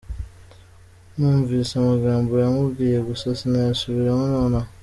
Numvise amagambo yamubwiye gusa sinayasubiramo nonaha.